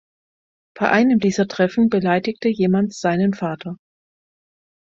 Bei einem dieser Treffen beleidigte jemand seinen Vater.